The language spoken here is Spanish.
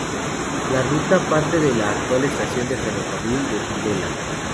La ruta parte de la actual estación de ferrocarril de Tudela.